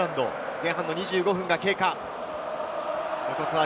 前半２５分経過。